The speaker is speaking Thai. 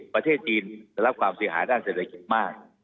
ประเทศจีนได้รับความเสียหายด้านเศรษฐกิจมาก